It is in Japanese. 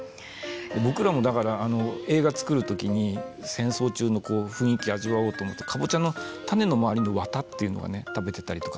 僕らもだから映画作る時に戦争中の雰囲気を味わおうと思ってかぼちゃのタネの周りのわたっていうのを食べてたりとか。